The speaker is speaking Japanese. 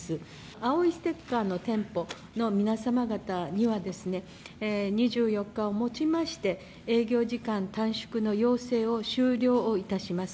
青いステッカーの店舗の皆様方には、２４日を持ちまして、営業時間短縮の要請を終了いたします。